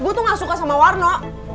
gua tuh nggak suka sama warno